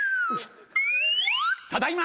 ただいま。